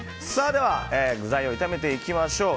では、具材を炒めていきましょう。